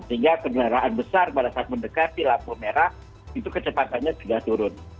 karena kendaraan besar pada saat mendekati lampu merah itu kecepatannya sudah turun